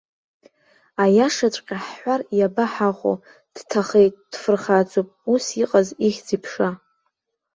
Аиашаҵәҟьа ҳҳәар иабаҳахәо, дҭахеит, дфырхаҵоуп, ус иҟаз ихьӡ-иԥша.